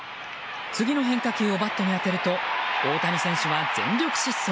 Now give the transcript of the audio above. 次の変化球をバットに当てると大谷選手は全力疾走。